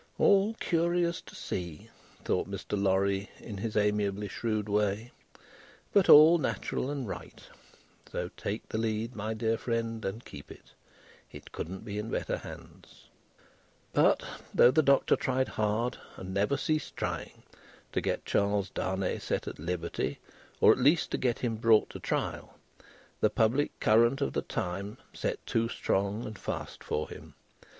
"All curious to see," thought Mr. Lorry, in his amiably shrewd way, "but all natural and right; so, take the lead, my dear friend, and keep it; it couldn't be in better hands." But, though the Doctor tried hard, and never ceased trying, to get Charles Darnay set at liberty, or at least to get him brought to trial, the public current of the time set too strong and fast for him.